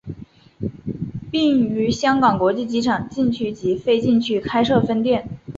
并于香港国际机场禁区及非禁区开设分店。